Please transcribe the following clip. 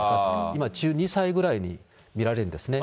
今１２歳ぐらいに見られるんですね。